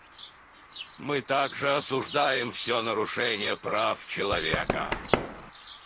Мы также осуждаем все нарушения прав человека.